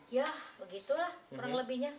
ya begitulah kurang lebihnya